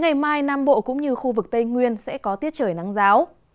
ngày mai nam bộ cũng như khu vực tây nguyên sẽ có tiết trời nắng giáo